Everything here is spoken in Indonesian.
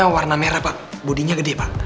warna merah pak budinya gede pak